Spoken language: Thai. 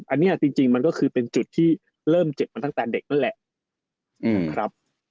อันนี้จริงมันก็คือเป็นจุดที่เริ่มเจ็บมาตั้งแต่เด็กนั่นแหละนะครับ